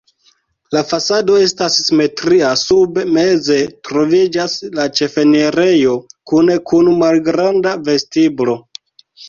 La fasado estas simetria, sube meze troviĝas la ĉefenirejo kune kun malgranda vestiblo.